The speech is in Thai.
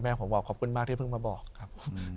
ผมบอกขอบคุณมากที่เพิ่งมาบอกครับ